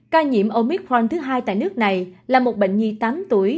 ca nhiễm omicron thứ hai tại nước này là một bệnh nhi tám tuổi